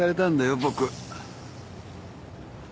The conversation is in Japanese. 僕。